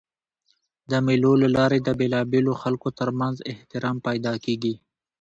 د مېلو له لاري د بېلابېلو خلکو تر منځ احترام پیدا کېږي.